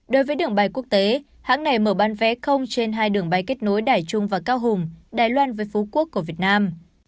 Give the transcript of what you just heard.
đối với đường bay quốc tế hãng này mở bán vé không trên hai đường bay kết nối đại trung và cao hùng đài loan với phú quốc của việt nam